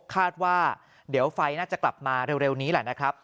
คาดว่าเดี๋ยวไฟน่าจะกลับมาเร็วนี้แหละนะครับ